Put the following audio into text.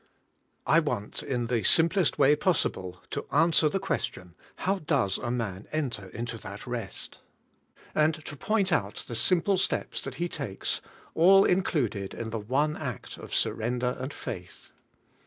I WANT, in the simplest way possible, to answer the question: "How does a man enter into that rest?" and to point out the simple steps that he takes, all included in the one act of surrender and faith.